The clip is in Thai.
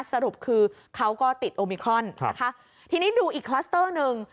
สรุปคือเขาก็ติดโอมิครอนนะคะทีนี้ดูอีกคลัสเตอร์หนึ่ง